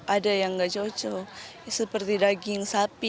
ada yang nggak cocok seperti daging sapi